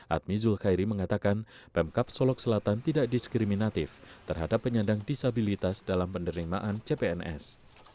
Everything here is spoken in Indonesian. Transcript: admi zul khairi mengatakan pemkap solok selatan tidak diskriminatif terhadap penyandang disabilitas dalam penerimaan cpns